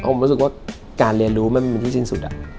ผมรู้สึกว่าการเรียนรู้มันเป็นที่สิ้นสุด